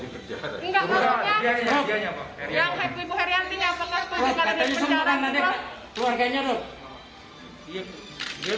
yang ibu herianti nyapa nyapa juga kalau di penjara